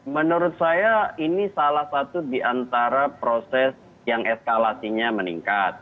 menurut saya ini salah satu diantara proses yang eskalasinya meningkat